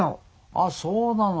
あっそうなの？